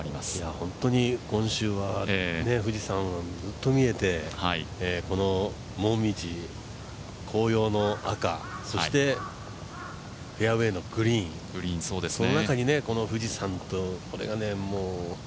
本当に今週は富士山がずっと見えてもみじ、紅葉の赤、そしてフェアウエーのグリーンその中に富士山と、これが